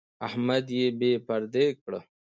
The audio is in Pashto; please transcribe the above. احمد يې بې پردې کړ.